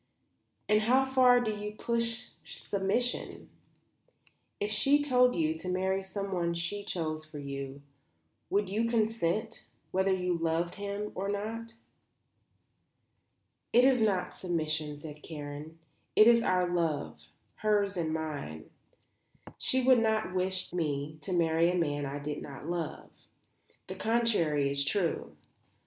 "And how far do you push submission? If she told you to marry someone she chose for you, would you consent, whether you loved him or not?" "It is not submission," said Karen. "It is our love, hers and mine. She would not wish me to marry a man I did not love. The contrary is true.